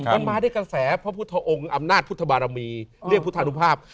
มันมาด้วยกระแสพระพุทธองค์อำนาจพุทธบารมีเรียกพุทธานุภาพ